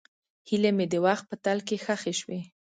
هیلې مې د وخت په تل کې ښخې شوې.